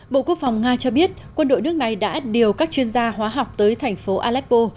bộ quốc phòng nga cho biết quân đội nước này đã điều các chuyên gia hóa học tới thành phố aleppo